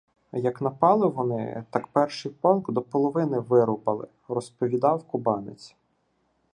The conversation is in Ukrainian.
— Як напали вони, так перший полк до половини вирубали, — розповідав кубанець.